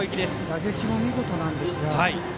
打撃も見事なんですが。